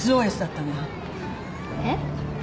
えっ？